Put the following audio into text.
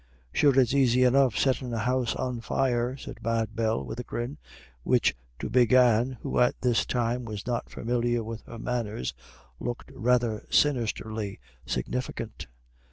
"Sure it's aisy enough settin' a house on fire," said Mad Bell with a grin, which to Big Anne who at this time was not familiar with her manners, looked rather sinisterly significant.